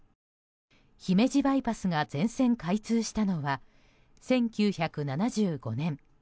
姫路バイパスが全線開通したのは１９７５年。